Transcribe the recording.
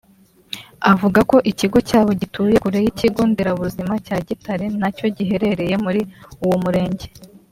avuga ko ikigo cyabo gituye kure y’ikigo nderabuzima cya Gitare nacyo giherereye muri uwo murenge